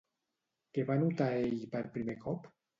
Què va notar ell per primer cop?